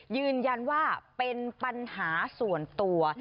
ยืนยันว่าเป็นปัญหาส่วนตัว